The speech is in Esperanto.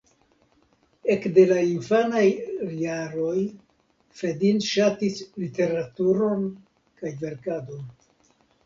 Ekde la infanaj jaroj Fedin ŝatis literaturon kaj verkadon.